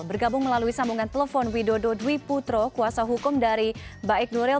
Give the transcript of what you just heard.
bergabung melalui sambungan telepon widodo dwi putro kuasa hukum dari baik nuril